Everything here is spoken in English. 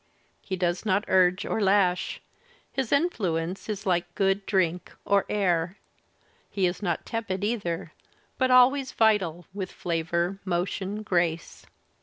He does not urge or lash. Hil^ihfluence is like good drink or air. He is not tepid either, but always vital, with flavour, motion, grace.